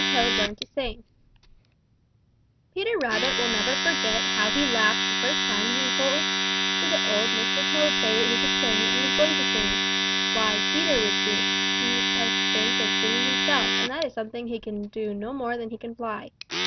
TOAD LEARNED TO SING Peter Rabbit never will forget how he laughed the first time he heard Old Mr. Toad say that he could sing and was going to sing. Why, Peter would as soon think of singing himself, and that is something he can no more do than he can fly.